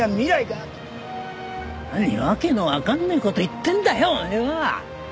何訳のわかんねえ事言ってんだよお前は！